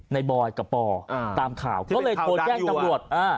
บอยกับปอตามข่าวก็เลยโทรแจ้งตำรวจ